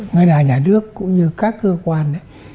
người đại nhà nước cũng như các cơ quan